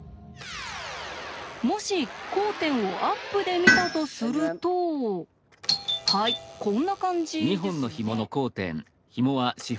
もし交点をアップで見たとするとはいこんな感じですよね。